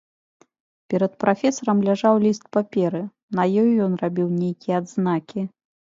Перад прафесарам ляжаў ліст паперы, на ёй ён рабіў нейкія адзнакі.